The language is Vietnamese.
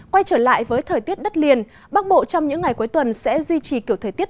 quay trở lại với thời tiết đất liền bắc bộ trong những ngày cuối tuần sẽ duy trì kiểu thời tiết